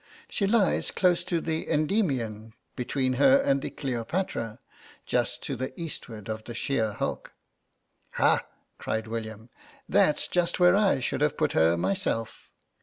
She lies close to the 'Endymion,' between her and the 'Cleopatra,' just to the eastward of the sheer hulk."' '"Ha!" cried William, "that's just where I should have put her myself.